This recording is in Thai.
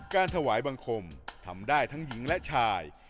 การถวายบังคมทำได้ทั้งหญิงและชาย